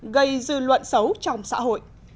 gây dư luận xấu trong xã hội